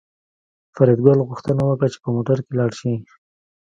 فریدګل غوښتنه وکړه چې په موټر کې لاړ شي